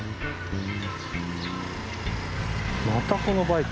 またこのバイク。